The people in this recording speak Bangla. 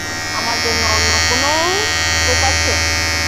আমার জন্য অন্য কোনও স্কুপ আছে?